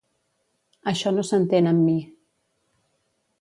Això no s'entén amb mi.